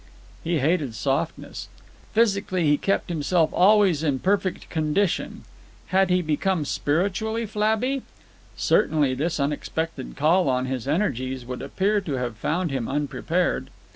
He hated softness. Physically, he kept himself always in perfect condition. Had he become spiritually flabby? Certainly this unexpected call on his energies would appear to have found him unprepared.